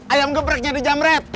ayam gebreknya di jam red